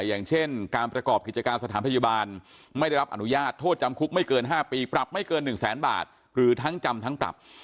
อย่างเช่นการประกอบกิจการสถานพยาบาลไม่ได้รับอนุญาตโทษจำคุกไม่เกิน๕ปีปรับไม่เกิน๑แสนบาทหรือทั้งจำทั้งปรับ